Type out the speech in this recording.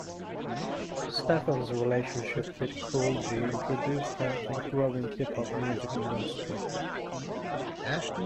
Steffans' relationship with Kool G introduced her to the growing Hip hop music industry.